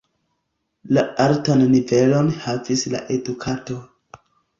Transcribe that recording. La altan nivelon havis la edukado.